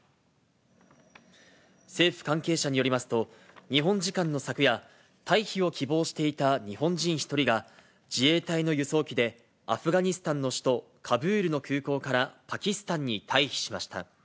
政府関係者によりますと、日本時間の昨夜、退避を希望していた日本人１人が、自衛隊の輸送機でアフガニスタンの首都カブールの空港からパキスタンに退避しました。